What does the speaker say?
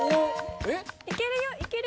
いけるよいける。